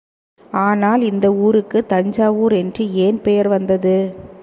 ஆனால் இந்த ஊருக்கு தஞ்சாவூர் என்று ஏன் பெயர் வந்தது?.